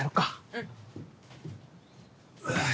うん。